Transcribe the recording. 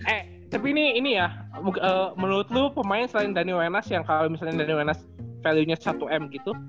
eh tapi ini ini ya menurut lo pemain selain daniel wenas yang kalo misalnya daniel wenas value nya satu m gitu